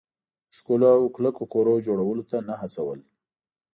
د ښکلو او کلکو کورونو جوړولو ته نه هڅول.